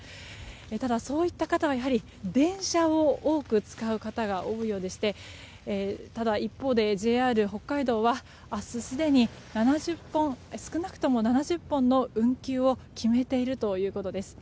ただ、そういった方はやはり電車を多く使う方が多いようでしてただ一方で、ＪＲ北海道は明日すでに少なくとも７０本の運休を決めているということです。